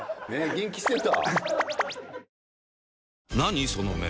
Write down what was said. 元気してた？